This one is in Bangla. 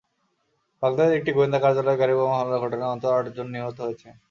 বাগদাদের একটি গোয়েন্দা কার্যালয়ে গাড়িবোমা হামলার ঘটনায় অন্তত আটজন নিহত হয়েছে।